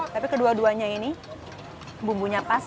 tapi kedua duanya ini bumbunya pas